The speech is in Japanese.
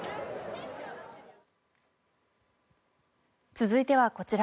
続いてはこちら。